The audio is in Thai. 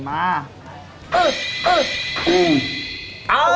อ้าว